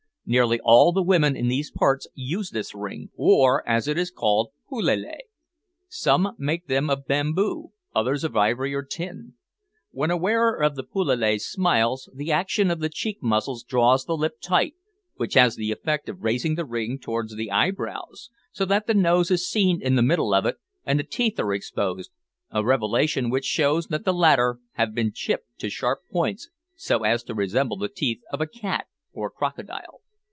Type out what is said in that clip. Nearly all the women in these parts use this ring, or, as it is called, pelele. Some make them of bamboo, others of ivory or tin. When a wearer of the pelele smiles, the action of the cheek muscles draws the lip tight which has the effect of raising the ring towards the eyebrows, so that the nose is seen in the middle of it, and the teeth are exposed, a revelation which shows that the latter have been chipped to sharp points so as to resemble the teeth of a cat or crocodile.